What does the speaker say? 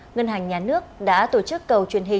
ngân hành nhà nước đã tổ chức cầu thông tin